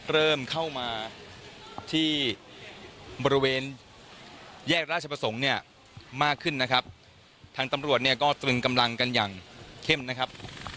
เริ่มเข้ามาที่บริเวณแยกราชประสงค์เนี่ยมากขึ้นนะครับทางตำรวจเนี่ยก็ตรึงกำลังกันอย่างเข้มนะครับ